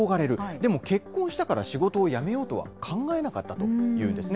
でも結婚したから仕事を辞めようとは考えなかったというんですね。